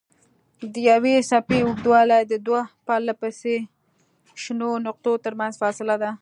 د یوې څپې اوږدوالی د دوو پرلهپسې شنو نقطو ترمنځ فاصله ده.